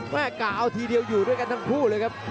กะเอาทีเดียวอยู่ด้วยกันทั้งคู่เลยครับ